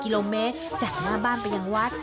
กิโลเมตรจากหน้าบ้านไปยังวัด